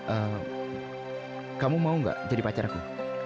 eh kamu mau nggak jadi pacar aku